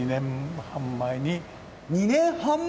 ２年半前？